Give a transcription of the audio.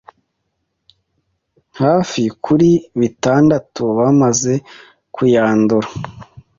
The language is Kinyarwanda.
hafi kuri bitandatu bamaze kuyandura